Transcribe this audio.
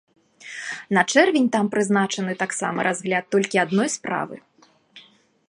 На чэрвень там прызначаны таксама разгляд толькі адной справы.